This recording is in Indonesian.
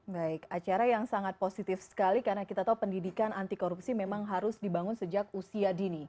baik acara yang sangat positif sekali karena kita tahu pendidikan anti korupsi memang harus dibangun sejak usia dini